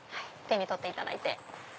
手に取っていただいて。